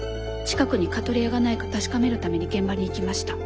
近くにカトレアがないか確かめるために現場に行きました。